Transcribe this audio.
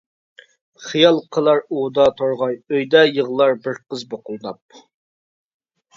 خىيال قىلار ئۇۋىدا تورغاي، ئۆيدە يىغلار بىر قىز بۇقۇلداپ.